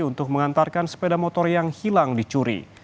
untuk mengantarkan sepeda motor yang hilang dicuri